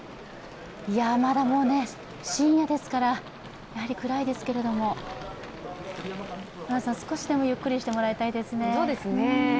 まだ深夜ですから暗いですけれども、少しでもゆっくりしてほしいですね。